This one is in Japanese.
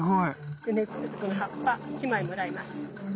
でねちょっとこの葉っぱ１枚もらいます。